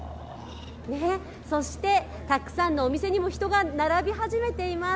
そして、たくさんのお店にも人が並び始めています。